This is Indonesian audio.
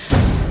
terima kasih ma